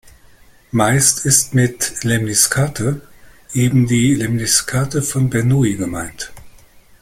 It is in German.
Meist ist mit „Lemniskate“ eben die Lemniskate von Bernoulli gemeint.